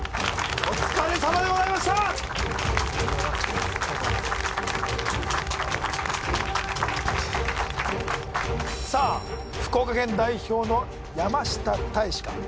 お疲れさまでございましたさあ福岡県代表の山下泰史か？